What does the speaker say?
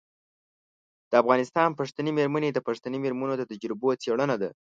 د افغانستان پښتنې میرمنې د پښتنې میرمنو د تجربو څیړنه ده.